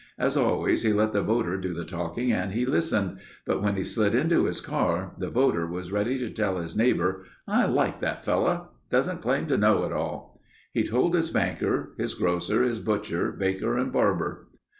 As always he let the voter do the talking and he listened, but when he slid into his car the voter was ready to tell his neighbor: "I like that fellow. Doesn't claim to know it all." He told his banker, his grocer, his butcher, baker, and barber.